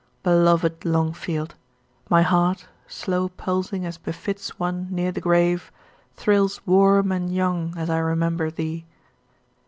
Beloved Longfield! my heart, slow pulsing as befits one near the grave, thrills warm and young as I remember thee!